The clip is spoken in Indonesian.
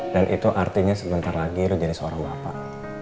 dan itu artinya sebentar lagi jadi seorang bapak